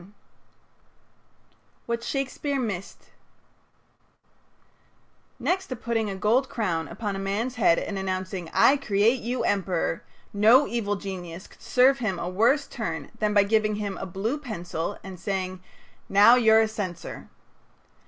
XLI WHAT SHAKESPEARE MISSED Next to putting a gold crown upon a man's head and announcing, "I create you emperor," no evil genius could serve him a worse turn than by giving him a blue pencil and saying: "Now you're a censor."